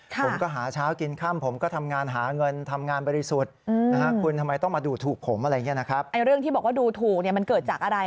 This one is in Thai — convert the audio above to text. ผมก็หาเช้ากินค่ำผมก็ทำงานหาเงินทำงานบริสุทธิ์